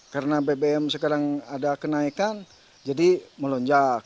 karena bbm sekarang ada kenaikan jadi melonjak